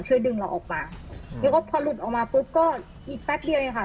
ช่วยดึงเราออกมาแล้วก็พอหลุดออกมาปุ๊บก็อีกแป๊บเดียวเองค่ะ